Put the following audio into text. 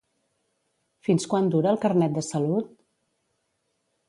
Fins quan dura el Carnet de salut?